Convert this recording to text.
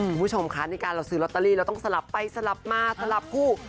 คุณผู้ชมคะในการเราซื้อลอตเตอรี่เราต้องสลับไปสลับมาสลับคู่